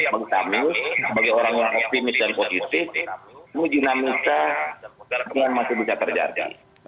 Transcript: bagi kami sebagai orang yang optimis dan positif ini dinamika masih bisa terjadi